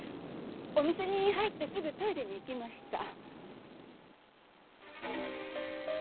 お店に入ってすぐトイレに行きました。